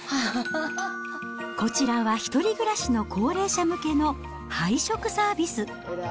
こちらは、１人暮らしの高齢者向けの配食サービス。